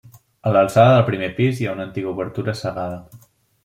A l’alçada del primer pis hi ha una antiga obertura cegada.